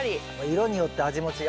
色によって味も違うし。